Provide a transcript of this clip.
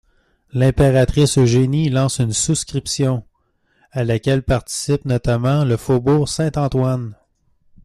L'impératrice Eugénie lance une souscription, à laquelle participe notamment le faubourg Saint-Antoine.